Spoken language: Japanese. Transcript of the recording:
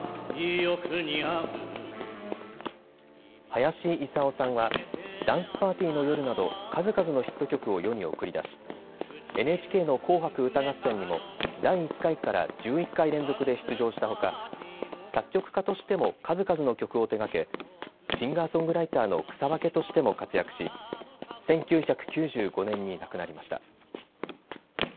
林伊佐緒さんはダンスパーティーの夜など数々のヒット曲を世に送り出しＮＨＫの紅白歌合戦にも第１回から１１回連続で出場したほか作曲家としても数々の曲を手がけシンガーソングライターの草分けとしても活躍し１９９５年に亡くなりました。